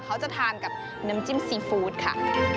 เขาจะทานกับน้ำจิ้มซีฟู้ดค่ะ